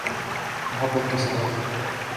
محبت کے سوا۔